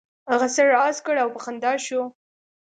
هغه سر را هسک کړ او په خندا شو.